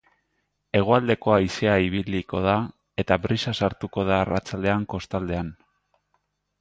Hegoaldeko haizea ibiliko da, eta brisa sartuko da arratsaldean kostaldean.